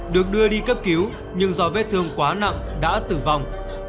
được đưa đi cấp cứu nhưng do vết thương quá nặng đã tử vong